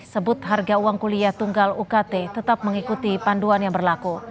sebut harga uang kuliah tunggal ukt tetap mengikuti panduan yang berlaku